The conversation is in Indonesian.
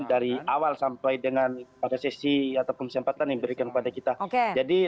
dari awal sampai dengan pada sesi ataupun kesempatan yang diberikan kepada kita